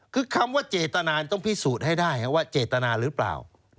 คือคำว่าเจตนาต้องพิสูจน์ให้ได้ว่าเจตนาหรือเปล่า